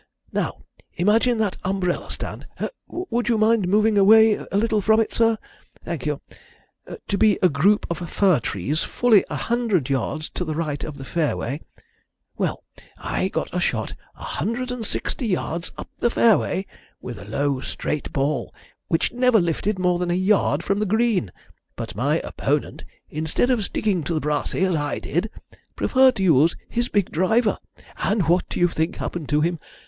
Now, imagine that umbrella stand would you mind moving away a little from it, sir? Thank you to be a group of fir trees fully a hundred yards to the right of the fairway. Well, I got a shot 160 yards up the fairway with a low straight ball which never lifted more than a yard from the green, but my opponent, instead of sticking to the brassy, as I did, preferred to use his big driver, and what do you think happened to him?